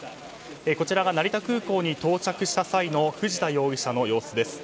こちらが成田空港に到着した際の藤田容疑者の様子です。